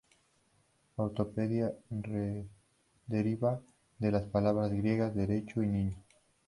Ortopedia deriva de las palabras griegas derecho y niño.